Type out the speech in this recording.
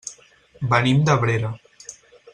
Venim d'Abrera.